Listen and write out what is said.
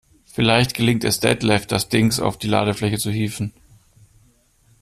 Vielleicht gelingt es Detlef, das Dings auf die Ladefläche zu hieven.